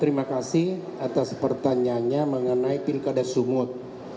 terima kasih atas pertanyaannya mengenai pilkada sumut